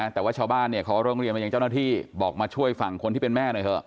แต่ว่าชาวบ้านเขาร้องเรียนมาอย่างเจ้าหน้าที่บอกมาช่วยฝั่งคนที่เป็นแม่หน่อยเถอ